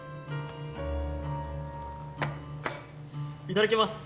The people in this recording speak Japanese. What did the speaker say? いただきます。